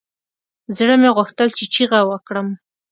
زړه مې غوښتل چې چيغه وکړم.